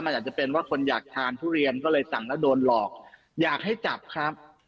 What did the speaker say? อาจจะเป็นว่าคนอยากทานทุเรียนก็เลยสั่งแล้วโดนหลอกอยากให้จับครับ